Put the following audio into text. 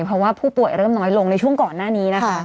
เพราะว่าผู้ป่วยเริ่มน้อยลงในช่วงก่อนหน้านี้นะคะ